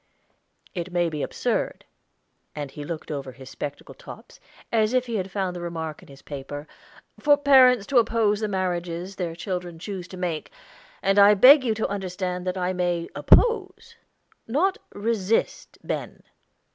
"It may be absurd," and he looked over his spectacle tops, as if he had found the remark in his paper, "for parents to oppose the marriages their children choose to make, and I beg you to understand that I may oppose, not resist Ben.